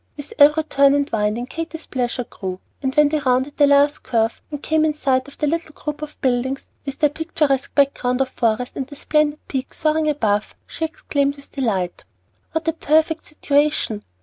With every turn and winding Katy's pleasure grew; and when they rounded the last curve, and came in sight of the little group of buildings, with their picturesque background of forest and the splendid peak soaring above, she exclaimed with delight: "What a perfect situation!